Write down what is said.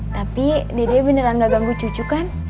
tapi dia beneran gak ganggu cucu kan